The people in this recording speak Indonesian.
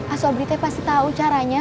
asal berita pasti tahu caranya